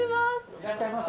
いらっしゃいませ。